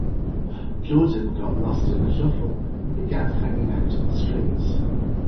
Jordan got "lost in the shuffle"and began hanging out on the streets.